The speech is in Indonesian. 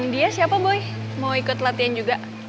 dia siapa boy mau ikut latihan juga